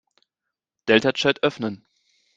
Deltachat öffnen.